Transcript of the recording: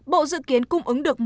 bộ dự kiến cung ứng được